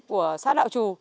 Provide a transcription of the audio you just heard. của xã đạo trù